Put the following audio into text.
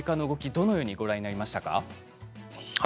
どのようにご覧になりましたか？